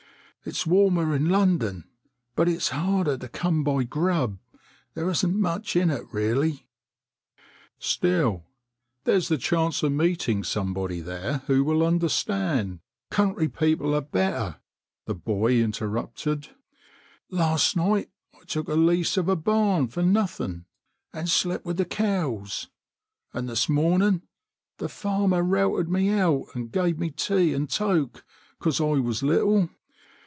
" It's warmer in London, but it's harder to come by grub. There isn't much in it really." ON THE BRIGHTON ROAD 83 " Still, there's the chance of meeting some body there who will understand "" Country people are better," the boy inter rupted. " Last night I took a lease of a barn for nothing and slept with the cows, and this morning the farmer routed me out and gave me tea and toke because I was little.